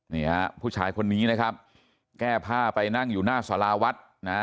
นี่ฮะผู้ชายคนนี้นะครับแก้ผ้าไปนั่งอยู่หน้าสาราวัดนะฮะ